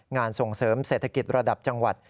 งานส่งเสริมเศรษฐกิจระดับจังหวัด